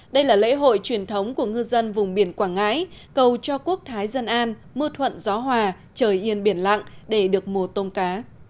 đây là lễ hội truyền thống của ngư dân vùng biển quảng ngãi cầu cho quốc thái dân an mưa thuận gió hòa trời yên biển lặng để được mùa tôm cá